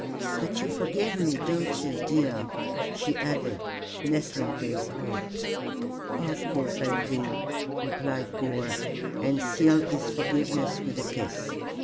But you forgive me, don't you, dear?" she added, nestling to his heart. "Of course I do," replied Gore, and sealed his forgiveness with a kiss.